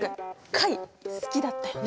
貝好きだったよね。